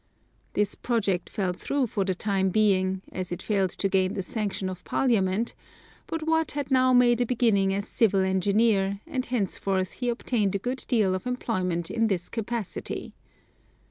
This project fell through for the time being, as it failed to gain the sanction of Parliament, but Watt had now made a beginning as civil engineer, and henceforth he obtained a good deal of employment in this capacity.